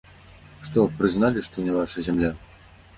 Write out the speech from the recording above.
Што, прызналі, што не ваша зямля?